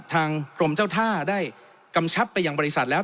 ทางกรมเจ้าท่าได้กำชับไปยังบริษัทแล้ว